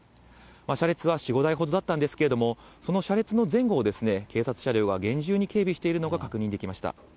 車列は４、５台ほどだったんですけれども、その車列の前後を警察車両が厳重に警備しているのが確認できました。